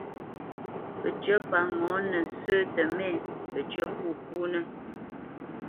Pəcyə́ pa ŋɔ̌nə sə́ tə mɛ̂, pəcyə́ fûfúnə́.